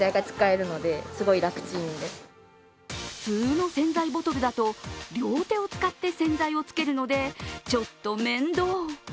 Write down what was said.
普通の洗剤ボトルだと両手を使って洗剤をつけるのでちょっと面倒。